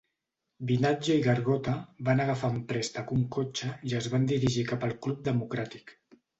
Binaggio i Gargotta van agafar en préstec un cotxe i es van dirigir cap al Club Democràtic.